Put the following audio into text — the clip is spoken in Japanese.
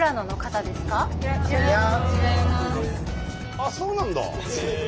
あっそうなんだ。